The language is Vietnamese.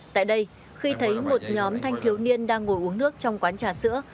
tại đây khi thấy một nhóm thanh thiếu niên đang ngồi uống nước trong quán trà sữa